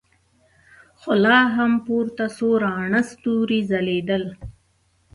خو لا هم پورته څو راڼه ستورې ځلېدل.